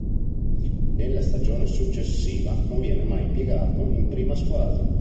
Nella stagione successiva non viene mai impiegato in prima squadra.